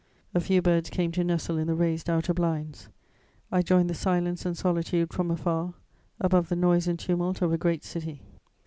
_ A few birds came to nestle in the raised outer blinds; I joined the silence and solitude from afar, above the noise and tumult of a great city.